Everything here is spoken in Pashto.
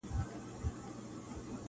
چي اصلي فساد له تا خیژي پر مځکه -